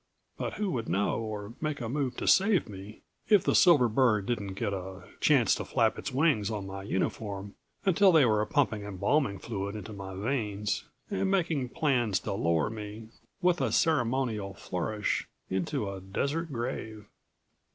But who would know or make a move to save me if the silver bird didn't get a chance to flap its wings on my uniform until they were pumping embalming fluid into my veins and making plans to lower me, with a ceremonial flourish, into a desert grave?